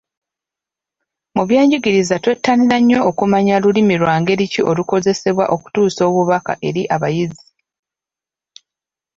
Mu byenjigiriza twettanira nnyo okumanya Lulimi lwa ngeri ki olukozesebwa okutuusa obubaka eri abayizi.